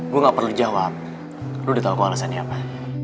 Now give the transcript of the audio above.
gue gak perlu jawab lu udah tahu kok alasannya apa